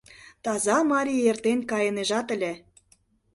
Таза марий эртен кайынежат ыле.